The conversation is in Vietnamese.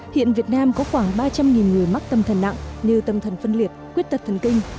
hiện việt nam có khoảng ba trăm linh người mắc tâm thần nặng như tâm thần phân liệt quyết tật thần kinh